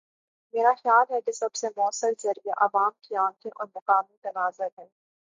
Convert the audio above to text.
میرا خیال ہے کہ سب سے موثر ذریعہ عوام کی آنکھیں اور مقامی تناظر ہے۔